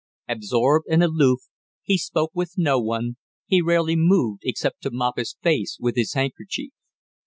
Absorbed and aloof, he spoke with no one, he rarely moved except to mop his face with his handkerchief.